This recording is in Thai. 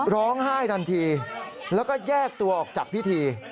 ร้องไห้ทันทีแล้วก็แยกตัวออกจากพิธี